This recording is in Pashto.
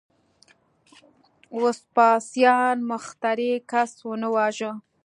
وسپاسیان مخترع کس ونه واژه.